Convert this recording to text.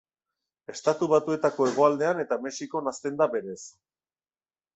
Estatu Batuetako hegoaldean eta Mexikon hazten da berez.